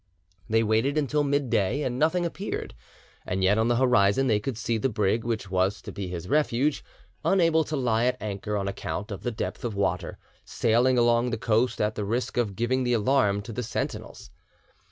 They waited until midday, and nothing appeared; and yet on the horizon they could see the brig which was to be his refuge, unable to lie at anchor on account of the depth of water, sailing along the coast at the risk of giving the alarm to the sentinels.